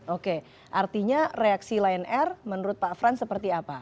oke artinya reaksi lion air menurut pak frans seperti apa